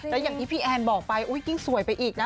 แล้วอย่างที่พี่แอนบอกไปยิ่งสวยไปอีกนะ